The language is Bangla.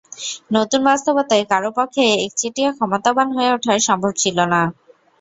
নতুন বাস্তবতায় কারও পক্ষেই একচেটিয়া ক্ষমতাবান হয়ে ওঠা সম্ভব ছিল না।